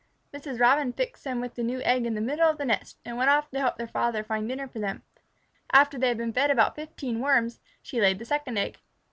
Mrs. Robin fixed them with the new egg in the middle of the nest, and went off to help their father find dinner for them. After they had been fed with about fifteen Worms, she laid the second egg.